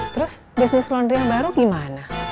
terus bisnis laundry yang baru gimana